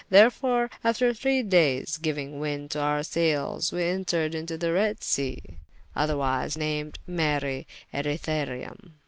Therefore after three days, gyuyng wynde to our sayles, we entered into the Redde Sea, otherwise named Mare Erythræum.